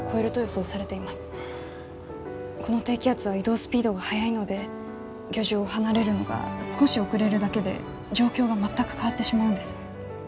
この低気圧は移動スピードが速いので漁場を離れるのが少し遅れるだけで状況が全く変わってしまうんです。